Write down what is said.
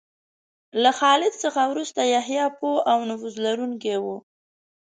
له خالد څخه وروسته یحیی پوه او نفوذ لرونکی و.